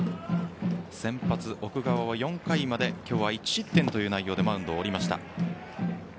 先発、奥川は４回まで今日は１失点という内容でマウンドを降りました。